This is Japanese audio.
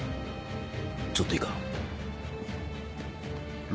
ちょっといいか？